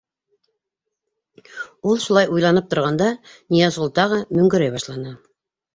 Ул шулай уйланып торғанда, Ныязғол тағы мөңгөрәй башланы.